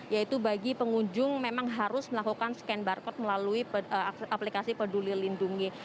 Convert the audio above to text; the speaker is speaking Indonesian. yaitu bagi pengunjung memang harus melakukan scan barcode melalui aplikasi peduli lindungi